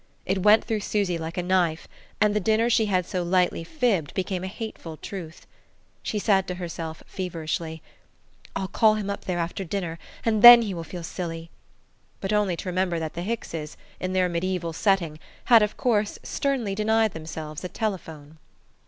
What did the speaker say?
It went through Susy like a knife, and the dinner she had so lightly fibbed became a hateful truth. She said to herself feverishly: "I'll call him up there after dinner and then he will feel silly" but only to remember that the Hickses, in their mediaeval setting, had of course sternly denied themselves a telephone.